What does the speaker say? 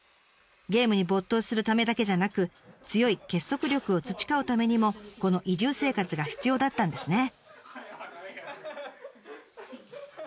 ゲームに没頭するためだけじゃなく強い結束力を培うためにもこの移住生活が必要だったんですね。